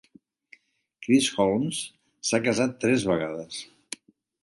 Chris Holmes s'ha casat tres vegades.